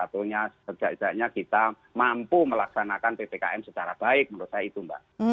atau tidaknya kita mampu melaksanakan ppkm secara baik menurut saya itu mbak